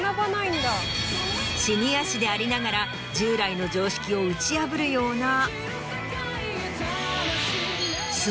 シニア誌でありながら従来の常識を打ち破るような。